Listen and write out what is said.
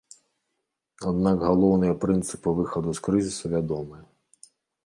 Аднак галоўныя прынцыпы выхаду з крызісу вядомыя.